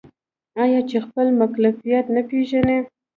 آیا چې خپل مکلفیت نه پیژني؟